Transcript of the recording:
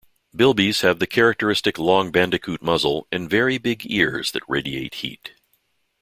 Bilbies have the characteristic long bandicoot muzzle and very big ears that radiate heat.